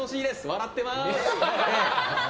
笑ってます！